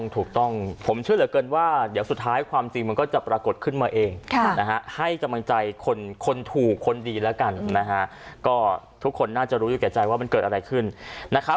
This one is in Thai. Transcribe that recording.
ถูกต้องผมเชื่อเหลือเกินว่าเดี๋ยวสุดท้ายความจริงมันก็จะปรากฏขึ้นมาเองนะฮะให้กำลังใจคนถูกคนดีแล้วกันนะฮะก็ทุกคนน่าจะรู้อยู่แก่ใจว่ามันเกิดอะไรขึ้นนะครับ